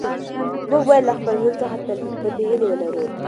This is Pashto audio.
موږ باید له خپل ژوند څخه تل مثبتې هیلې ولرو.